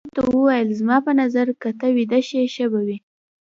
ما ورته وویل: زما په نظر که ته ویده شې ښه به وي.